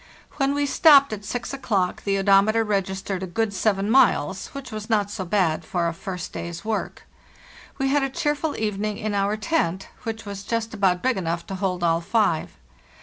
When we stopped at 6 o'clock the odometer reg istered a good 7 miles, which was not so bad for a first day's work. We had a cheerful evening in our tent, which was just about big enough to hold all five.